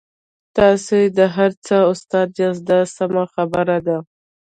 تاسو د هر څه استاد یاست دا سمه خبره ده.